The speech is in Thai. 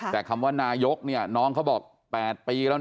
แต่คำว่านายกน้องเขาบอก๘ปีแล้วนะ